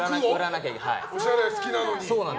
おしゃれ好きなのに。